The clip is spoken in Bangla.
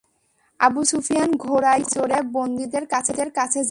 আবু সুফিয়ান ঘোড়ায় চড়ে বন্দিদের কাছে যায়।